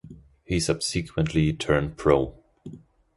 He subsequently turned pro.